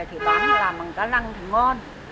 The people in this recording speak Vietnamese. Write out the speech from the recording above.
thì bác làm bằng cá lăng thì ngon